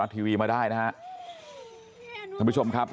แล้วตามหายาดของแม่ลูกคู่นี้